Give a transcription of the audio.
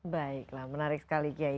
baiklah menarik sekali kyai